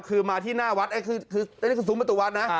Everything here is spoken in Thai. คือมาที่หน้าวัดนี่คือสูงประตูวัดนะ